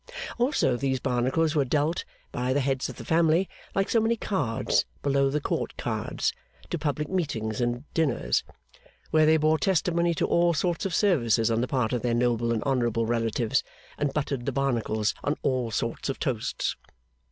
Also these Barnacles were dealt, by the heads of the family, like so many cards below the court cards, to public meetings and dinners; where they bore testimony to all sorts of services on the part of their noble and honourable relatives, and buttered the Barnacles on all sorts of toasts.